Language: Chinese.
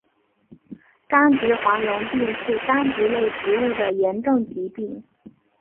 柑橘黄龙病是柑橘类植物的严重疾病。